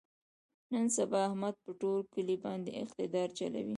نن سبا احمد په ټول کلي باندې اقتدار چلوي.